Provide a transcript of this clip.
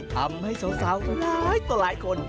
ทำให้สาวหลายคน